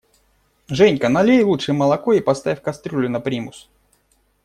Женька, налей лучше молоко и поставь кастрюлю на примус!